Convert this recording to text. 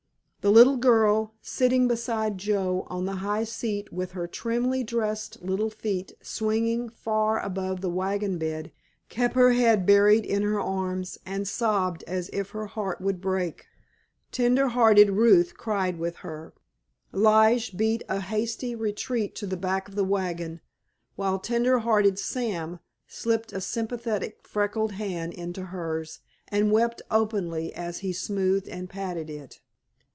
The little girl, sitting beside Joe on the high seat with her trimly dressed little feet swinging far above the wagon bed, kept her head buried in her arms, and sobbed as if her heart would break. Gentle hearted Ruth cried with her, Lige beat a hasty retreat to the back of the wagon, while tender hearted Sam slipped a sympathetic freckled hand into hers and wept openly as he smoothed and patted it.